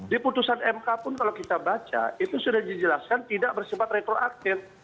di putusan mk pun kalau kita baca itu sudah dijelaskan tidak bersifat retroaktif